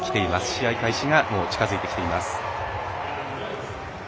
試合開始が近づいてきています。